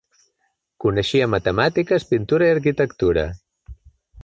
Coneixia matemàtiques, pintura i arquitectura.